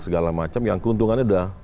segala macam yang keuntungannya ada